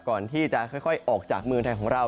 ก่อนที่จะค่อยออกจากเมืองไทยของเรา